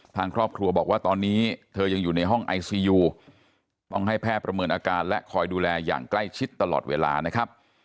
ทางครอบครัวบอกว่าตอนนี้เธอยังอยู่ในห้องไอซียูต้องให้แพทย์ประเมินอาการและคอยดูแลอย่างใกล้ชิดตลอดเวลานะครับ